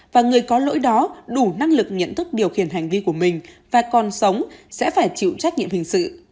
và người có lỗi đó đủ năng lực nhận thức điều khiển hành vi của mình và còn sống sẽ phải chịu trách nhiệm hình sự